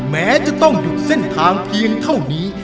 แม้จะต้องหยุดเส้นทางเพียงเท่านี้